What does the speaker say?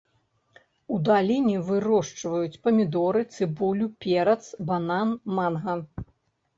У даліне вырошчваюць памідоры, цыбулю, перац, банан, манга.